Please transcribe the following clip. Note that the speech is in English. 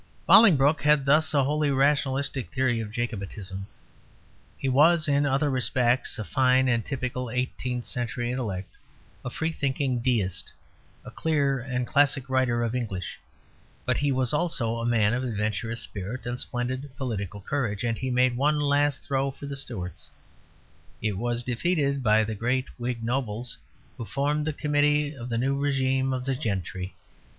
Bolingbroke had thus a wholly rationalistic theory of Jacobitism. He was, in other respects, a fine and typical eighteenth century intellect, a free thinking Deist, a clear and classic writer of English. But he was also a man of adventurous spirit and splendid political courage, and he made one last throw for the Stuarts. It was defeated by the great Whig nobles who formed the committee of the new régime of the gentry.